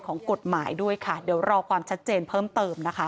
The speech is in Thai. ของกฎหมายด้วยค่ะเดี๋ยวรอความชัดเจนเพิ่มเติมนะคะ